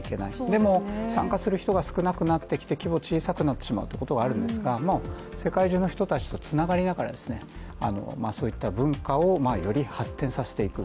でも、参加する人が少なくなってきて規模、小さくなってしまうということがあるんですが世界中の人たちとつながりながら、そういった文化をより発展させていく。